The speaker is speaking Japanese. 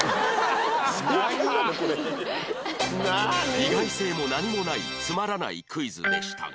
意外性も何もないつまらないクイズでしたが